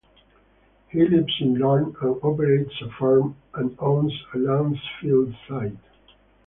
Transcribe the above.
He lives in Larne and operates a farm and owns a landfill site.